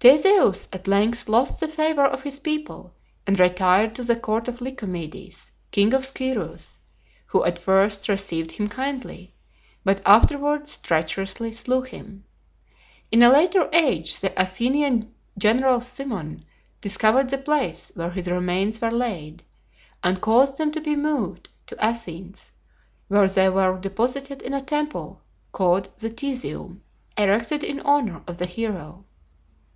Theseus at length lost the favor of his people, and retired to the court of Lycomedes, king of Scyros, who at first received him kindly, but afterwards treacherously slew him. In a later age the Athenian general Cimon discovered the place where his remains were laid, and caused them to be removed to Athens, where they were deposited in a temple called the Theseum, erected in honor of the hero.